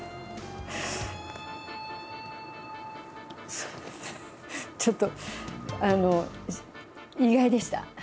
そうちょっとあの意外でした。